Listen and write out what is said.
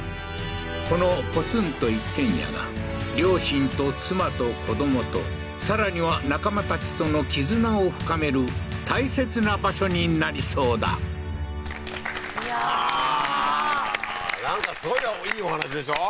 このポツンと一軒家が両親と妻と子どもとさらには仲間たちとの絆を深める大切な場所になりそうだいやーなんかすごいいいお話でしょ？